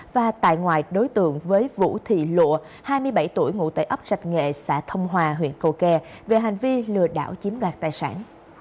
và tại ngoại đối tượng với vũ thị lụa hai mươi bảy tuổi ngụ tại ấp rạch nghệ xã thông hòa huyện cầu kè về hành vi lừa đảo chiếm đoạt tài sản